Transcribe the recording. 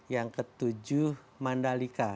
yang ketujuh mandalika